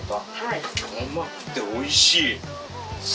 甘くておいしい！